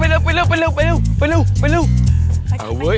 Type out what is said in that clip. ไว้ค่ะมันไว้เลยรึเปล่าไก่แล้วอีกนิดเดียว